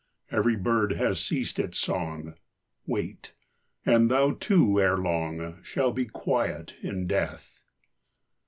Every bird has ceased its song, Wait ; and thou too, ere long, Shall be quiet in death.